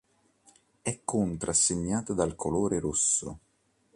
È contrassegnata dal colore rosso.